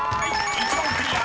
１問クリア！